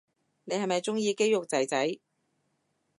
你係咪鍾意肌肉仔仔